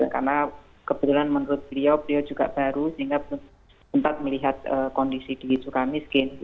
karena kebetulan menurut beliau beliau juga baru sehingga sempat melihat kondisi di sukamiskin